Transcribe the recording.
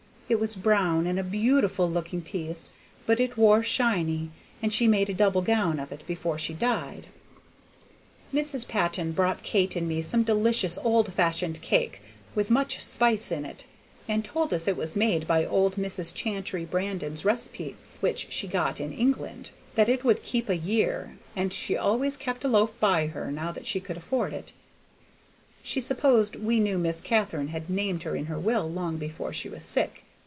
It was brown, and a beautiful looking piece, but it wore shiny, and she made a double gown of it before she died." Mrs. Patton brought Kate and me some delicious old fashioned cake with much spice in it, and told us it was made by old Mrs. Chantrey Brandon's receipt which she got in England, that it would keep a year, and she always kept a loaf by her, now that she could afford it; she supposed we knew Miss Katharine had named her in her will long before she was sick.